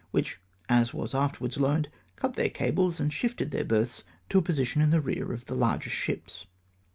which, as was afterwards learned, cut their cables, and shifted their berths to a position in the rear of the larger ships.